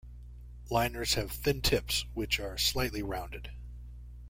Liners have thin tips, which are slightly rounded.